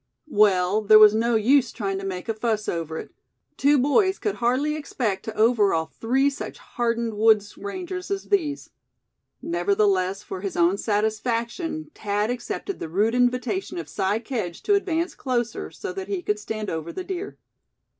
Well, there was no use trying to make a fuss over it; two boys could hardly expect to overawe three such hardened woods' rangers as these. Nevertheless, for his own satisfaction Thad accepted the rude invitation of Si Kedge to advance closer, so that he could stand over the deer.